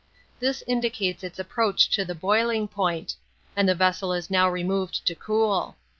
This indicates its approach to the boiling point: and the vessel is now removed to cool.